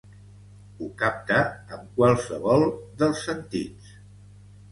Ho capta amb qualsevol dels sentits.